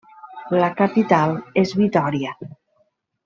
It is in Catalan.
La capital és Vitória.